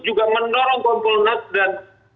juga mendorong kompul nas dan